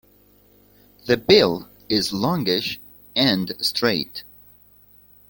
The bill is longish and straight.